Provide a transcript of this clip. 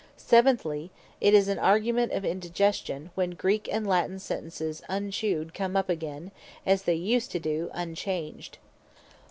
Seventhly, it is an argument of Indigestion, when Greek and Latine Sentences unchewed come up again, as they use to doe, unchanged.